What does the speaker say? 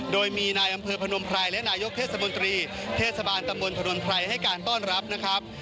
โดยมีนายอำเภอพนมไพรและนายกเทศบนตรีเทศบาลตำบลถนนไพรให้การต้อนรับนะครับ